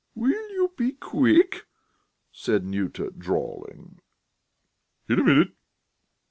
"Will you be quick?" said Nyuta, drawling. "In a minute....